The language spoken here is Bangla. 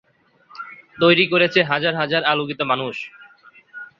তৈরি করেছে হাজার হাজার আলোকিত মানুষ।